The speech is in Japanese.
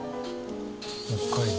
北海道」